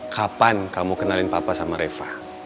kapan kamu kenalin papa sama reva